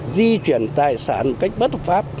di chuyển tài sản cách bất pháp